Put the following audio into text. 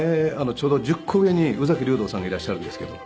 ちょうど１０個上に宇崎竜童さんがいらっしゃるんですけど。